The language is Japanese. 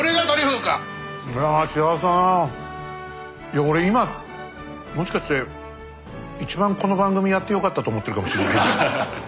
いや俺今もしかして一番この番組やってよかったと思ってるかもしれない今。